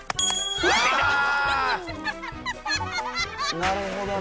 なるほどね。